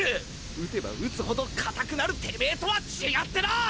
打てば打つ程硬くなるてめとは違ってな！